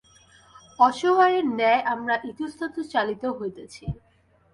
অসহায়ের ন্যায় আমরা ইতস্তত চালিত হইতেছি।